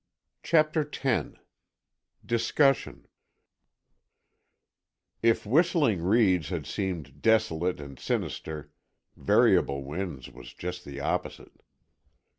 CHAPTER X DISCUSSION If Whistling Reeds had seemed desolate and sinister, Variable Winds was just the opposite.